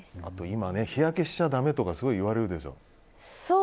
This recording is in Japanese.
今、日焼けしちゃだめとかすごい言われるでしょ。